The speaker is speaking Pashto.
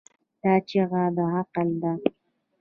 دا چیغه د عقل ده.